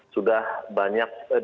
sudah banyak di